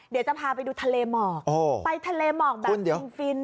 เดี๋ยวจะพาไปดูทะเลหมอกไปทะเลหมอกแบบฟิน